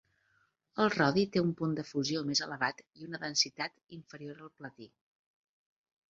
El rodi té un punt de fusió més elevat i una densitat inferior al platí.